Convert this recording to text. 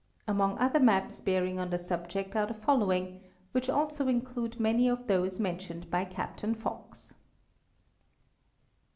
Among other maps bearing on the subject are the following, which also include many of those mentioned by Captain Fox.